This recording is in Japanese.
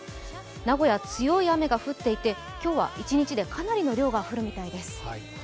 名古屋、強い雨が降っていて今日は一日でかなりの量が降るようです。